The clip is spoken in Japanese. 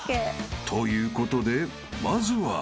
［ということでまずは］